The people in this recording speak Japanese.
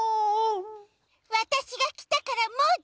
わたしがきたからもうだいじょうぶ。